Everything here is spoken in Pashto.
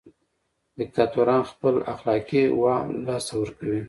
دیکتاتوران خپل اخلاقي وهم له لاسه ورکوي.